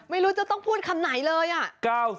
ไม่รู้จะต้องพูดคำไหนเลยอ่ะ